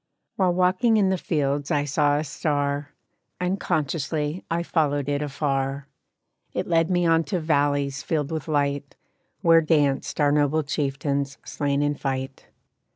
"While walking in the fields I saw a star; Unconsciously I followed it afar It led me on to valleys filled with light, Where danced our noble chieftains slain in fight.